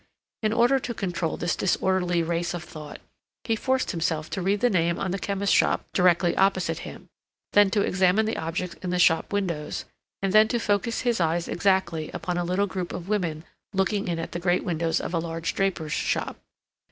In order to control this disorderly race of thought he forced himself to read the name on the chemist's shop directly opposite him; then to examine the objects in the shop windows, and then to focus his eyes exactly upon a little group of women looking in at the great windows of a large draper's shop.